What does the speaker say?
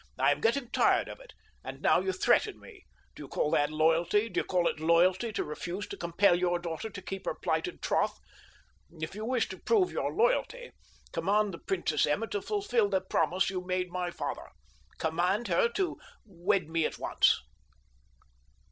"I am getting tired of it. And now you threaten me. Do you call that loyalty? Do you call it loyalty to refuse to compel your daughter to keep her plighted troth? If you wish to prove your loyalty command the Princess Emma to fulfil the promise you made my father—command her to wed me at once."